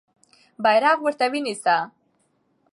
بیرغ ورته ونیسه.